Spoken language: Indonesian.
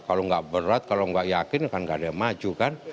kalau nggak berat kalau nggak yakin kan nggak ada yang maju kan